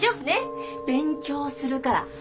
ねっ勉強するから。